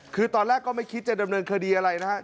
คือตอนแรกก็ไม่คิดจะดำเนินคดีอะไรนะครับ